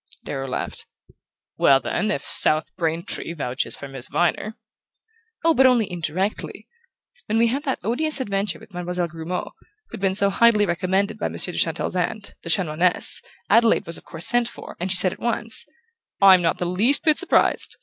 Darrow laughed. "Well, then, if South Braintree vouches for Miss Viner " "Oh, but only indirectly. When we had that odious adventure with Mademoiselle Grumeau, who'd been so highly recommended by Monsieur de Chantelle's aunt, the Chanoinesse, Adelaide was of course sent for, and she said at once: 'I'm not the least bit surprised.